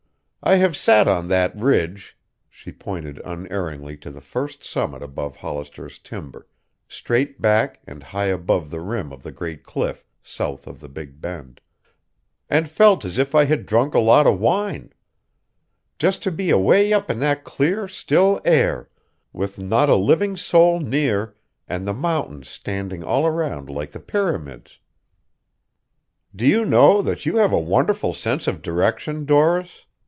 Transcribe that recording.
I have sat on that ridge" she pointed unerringly to the first summit above Hollister's timber, straight back and high above the rim of the great cliff south of the Big Bend "and felt as if I had drunk a lot of wine; just to be away up in that clear still air, with not a living soul near and the mountains standing all around like the pyramids." "Do you know that you have a wonderful sense of direction, Doris?"